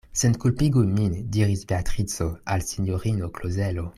Senkulpigu min, diris Beatrico al sinjorino Klozelo.